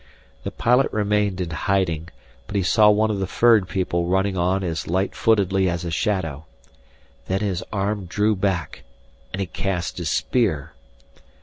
The pilot remained in hiding, but he saw one of the furred people running on as light footedly as a shadow. Then his arm drew back, and he cast his spear.